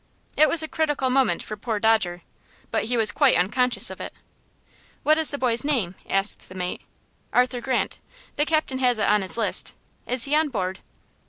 It was a critical moment for poor Dodger, but he was quite unconscious of it. "What is the boy's name?" asked the mate. "Arthur Grant. The captain has it on his list. Is he on board?"